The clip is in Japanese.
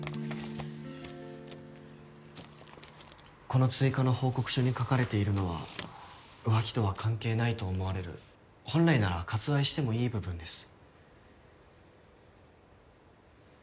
この追加の報告書に書かれているのは浮気とは関係ないと思われる本来なら割愛してもいい部分です。